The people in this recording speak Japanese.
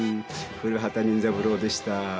古畑任三郎でした。